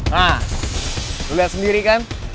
hah lo liat sendiri kan